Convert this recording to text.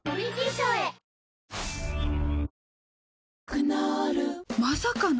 クノールまさかの！？